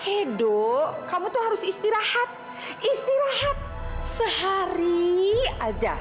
edo kamu tuh harus istirahat istirahat sehari aja